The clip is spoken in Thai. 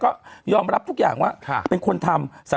ก็ยอมรับทุกอย่างว่าเป็นคนทำ